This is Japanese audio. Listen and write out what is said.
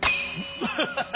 アハハハ！